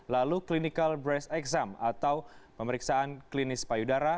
lalu clinical brash exam atau pemeriksaan klinis payudara